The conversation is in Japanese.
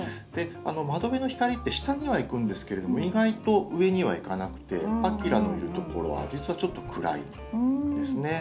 窓辺の光って下には行くんですけれども意外と上には行かなくてパキラのいるところは実はちょっと暗いんですね。